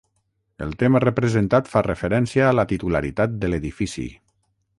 El tema representat fa referència a la titularitat de l'edifici.